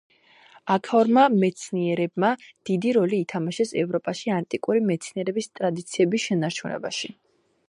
აქაურმა მეცნიერებმა დიდი როლი ითამაშეს ევროპაში ანტიკური მეცნიერების ტრადიციების შენარჩუნებაში.